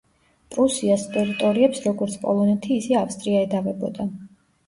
პრუსიას ტერიტორიებს როგორც პოლონეთი, ისე ავსტრია ედავებოდა.